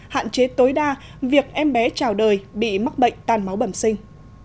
hạn chế tối đa việc em bé trào đời bị mắc bệnh tan máu bẩm sinh